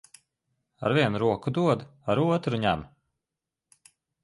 Ar vienu roku dod, ar otru ņem.